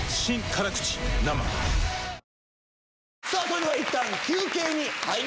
ＪＴそれではいったん。